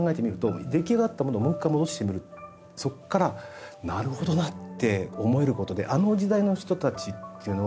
でもそれ今そこからなるほどなって思えることであの時代の人たちっていうのは。